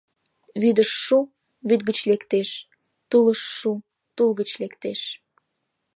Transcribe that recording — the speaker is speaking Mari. Вӱдыш шу — вӱд гыч лектеш, тулыш шу — тул гыч лектеш.